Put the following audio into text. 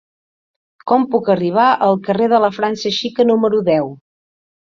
Com puc arribar al carrer de la França Xica número deu?